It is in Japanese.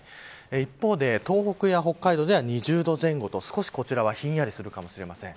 一方で、東北や北海道では２０度前後と、少しこちらはひんやりするかもしれません。